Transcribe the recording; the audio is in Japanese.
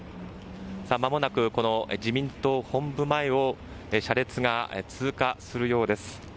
まもなく自民党本部前を車列が通過するようです。